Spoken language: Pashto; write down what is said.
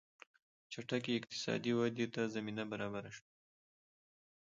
چټکې اقتصادي ودې ته زمینه برابره شوه.